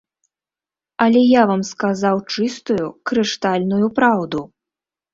Але я вам сказаў чыстую крыштальную праўду.